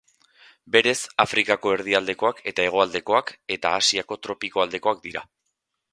Berez, Afrikako erdialdekoak eta hegoaldekoak, eta Asiako tropiko aldekoak dira.